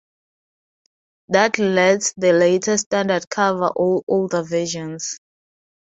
That lets the latest standard cover all older versions.